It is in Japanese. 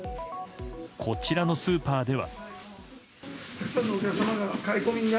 こちらのスーパーでは。